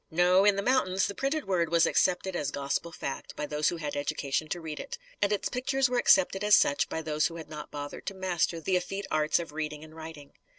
No: in the mountains, the printed word was accepted as gospel fact by those who had education to read it. And its pictures were accepted as such by those who had not bothered to master the effete arts of reading and writing.